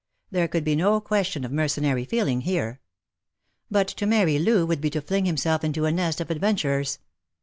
There could be no question of mercenary feeling here. But to marry Loo would be to fling himself into a nest of adventurers.